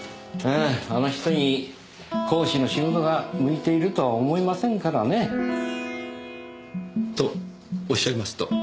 あの人に講師の仕事が向いているとは思えませんからね。とおっしゃいますと？